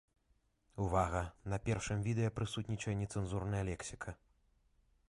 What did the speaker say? Увага, на першым відэа прысутнічае нецэнзурная лексіка!